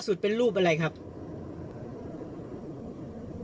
โดนเราเปลี่ยนทุกข้างเดียวครับผม